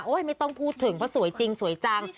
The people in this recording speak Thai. ไม่ต้องพูดถึงเพราะสวยจริงสวยจัง